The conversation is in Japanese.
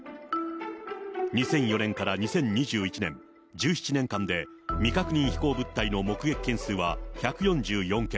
２００４年から２０２１年、１７年間で未確認飛行物体の目撃件数は１４４件。